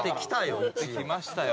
一応・持ってきましたよ